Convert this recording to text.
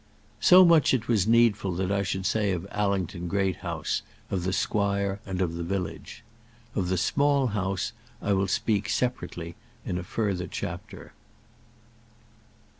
So much it was needful that I should say of Allington Great House, of the Squire, and of the village. Of the Small House, I will speak separately in a further chapter.